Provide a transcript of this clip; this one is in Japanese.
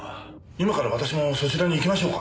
今から私もそちらに行きましょうか？